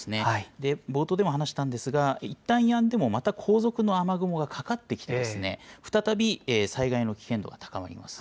冒頭でも話したんですが、いったんやんでも、また後続の雨雲がかかってきて、再び災害の危険度が高まります。